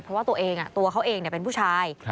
เพราะว่าตัวเองตัวเขาเองเป็นผู้ชาย